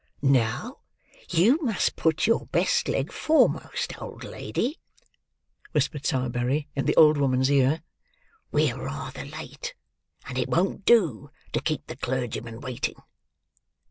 "Now, you must put your best leg foremost, old lady!" whispered Sowerberry in the old woman's ear; "we are rather late; and it won't do, to keep the clergyman waiting.